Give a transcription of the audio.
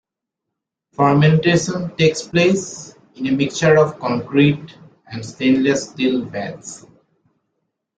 Fermentation takes place in a mixture of concrete and stainless steel vats.